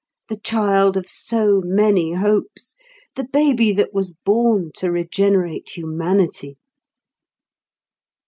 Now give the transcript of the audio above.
The child of so many hopes! The baby that was born to regenerate humanity!